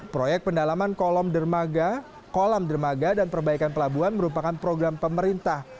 proyek pendalaman kolom dermaga kolam dermaga dan perbaikan pelabuhan merupakan program pemerintah